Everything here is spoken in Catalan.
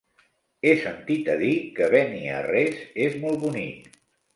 He sentit a dir que Beniarrés és molt bonic.